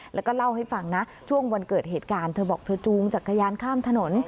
แล้วก็เล่าให้ฟังนะช่วงวันเกิดเหตุการณ์เธอบอกเธอจูงจักรยานข้ามถนน